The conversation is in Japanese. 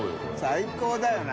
最高だよな。